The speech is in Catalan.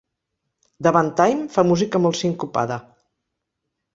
Davant “time” fa música molt sincopada.